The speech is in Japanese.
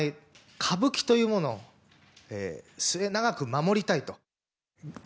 歌舞伎というものを末永く守りたいと。